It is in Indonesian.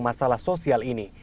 masalah sosial ini